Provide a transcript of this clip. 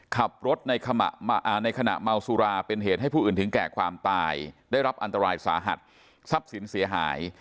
ขับรถในขณะเมาสุราเป็นเหตุให้ผู้อื่นถึงแก่ความตายได้รับอันตรายสาหัสทรัพย์สินเสียหาย